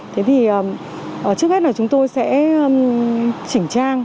thế thì trước hết là chúng tôi sẽ chỉnh trang